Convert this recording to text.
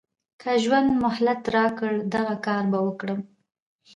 که ژوند مهلت راکړ دغه کار به وکړم.